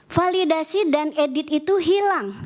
validasi dan edit itu hilang